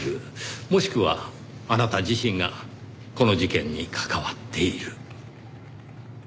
もしくはあなた自身がこの事件に関わっている。